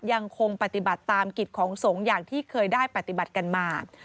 ยังคงปฏิบัติตามกิจของสงฆ์อย่างที่เคยได้ปฏิบัติกันมา